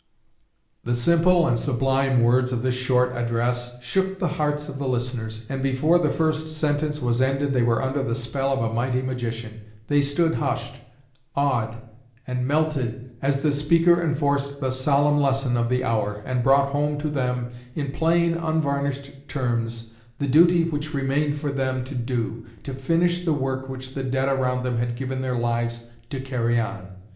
The simple and sublime words of this short address shook the hearts of the listeners, and before the first sentence was ended they were under the spell of a mighty magician. They stood hushed, awed, and melted, as the speaker enforced the solemn lesson of the hour, and brought home to them, in plain unvarnished terms, the duty which remained for them to do to finish the work which the dead around them had given their lives to carry on.